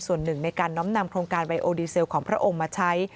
ส่วนหนึ่งในการน้อมนำโครงการไวโอดีเซลของพระองค์มาใช้